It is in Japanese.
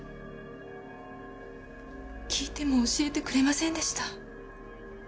訊いても教えてくれませんでした。